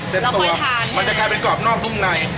เต็มตัวมันจะกลายเป็นกรอบนอกนุ่มใน